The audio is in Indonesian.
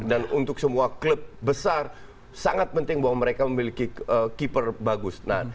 dan untuk semua klub besar sangat penting bahwa mereka memiliki keeper bagus